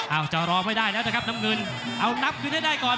เอาจะรอไม่ได้แล้วนะครับน้ำเงินเอานับคืนให้ได้ก่อน